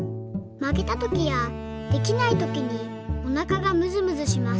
「負けた時やできないときにおなかがむずむずします。